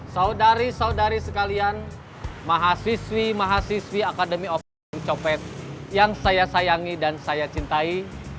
saudari saudari sekalian mahasiswi mahasiswi akademi of ucopet yang saya sayangi dan saya cintai